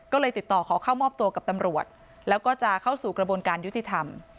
ก็เลยติดต่อขอเข้ามอบตัวกับตำรวจแล้วก็จะเข้าสู่กระบวนการยุติธรรม